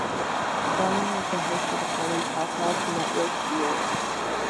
Garlin was the host on the comedy podcast network Earwolf.